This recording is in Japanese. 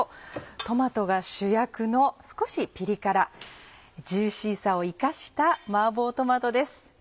トマトが主役の少しピリ辛ジューシーさを生かしたマーボートマトです。